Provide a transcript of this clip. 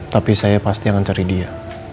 tapi saya pasti akan cari dia